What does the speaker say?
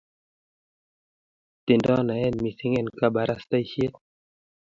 Tindo naet mising en kabarasteishet